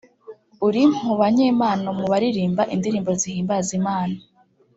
uri mu banyempano mu baririmba indirimbo zihimbaza Imana